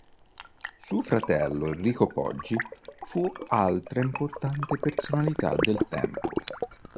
Suo fratello Enrico Poggi fu altra importante personalità del tempo.